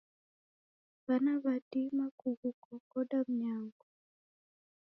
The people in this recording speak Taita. W'ana w'adima kughukongoda mnyango.